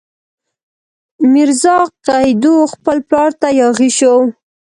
میرزا قیدو خپل پلار ته یاغي شو.